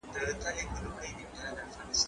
زه به خبري کړې وي؟!